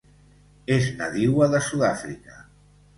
És nadiua de Sud-àfrica.